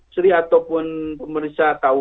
sri ataupun pemerintah tahu